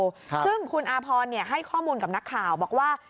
ซึ่งคุณอาพรให้ข้อมูลกับนักข่าวบอกว่า